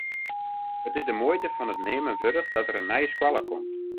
It is de muoite fan it neamen wurdich dat der in nije skoalle komt.